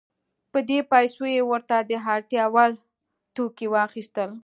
په دې پیسو یې ورته د اړتیا وړ توکي واخیستل.